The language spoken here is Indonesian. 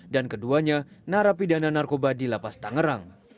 dan keduanya narapi dana narkoba di lapas tangerang